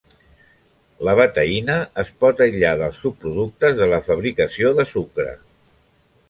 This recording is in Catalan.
La betaïna es pot aïllar dels subproductes de la fabricació de sucre.